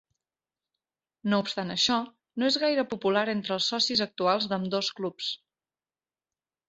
No obstant això, no és gaire popular entre els socis actuals d'ambdós clubs.